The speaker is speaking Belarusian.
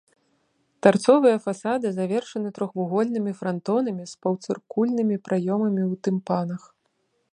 Тарцовыя фасады завершаны трохвугольнымі франтонамі з паўцыркульнымі праёмамі ў тымпанах.